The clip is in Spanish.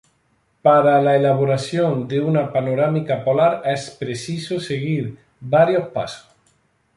Para la elaboración de una panorámica polar, es preciso seguir varios pasos.